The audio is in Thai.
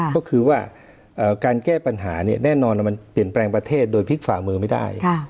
ก็คือว่าการแก้ปัญหาแน่นอนมันเปลี่ยนแปลงประเทศโดยพลิกฝ่ามือไม่ได้